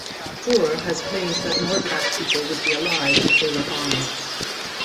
Toure has claimed that "more Black people would be alive if they were armed".